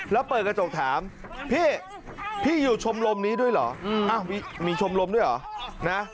แล้วเปิดกระจกค้างสุดก็เลยถามที่อยู่ชมรมนี้ด้วยเหรออ่ะวิจัยมีชมรมด้วยหรออ่ะ